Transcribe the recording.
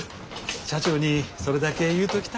社長にそれだけ言うときたくて。